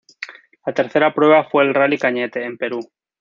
La tercera prueba fue el Rally Cañete, en Perú.